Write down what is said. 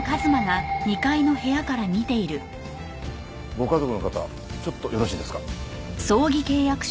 ご家族の方ちょっとよろしいですか？